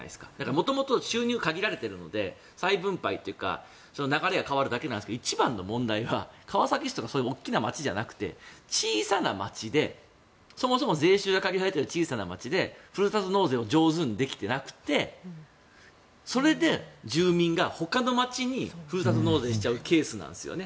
元々収入が限られているので再分配というか流れが変わるだけなんですけど一番の問題は川崎市とか大きな町じゃなくて小さな町でそもそも税収が限られている小さな町でふるさと納税を上手にできていなくてそれで住民がほかの町にふるさと納税しちゃうケースなんですよね。